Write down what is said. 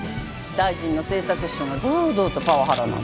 大臣の政策秘書が堂々とパワハラなんて。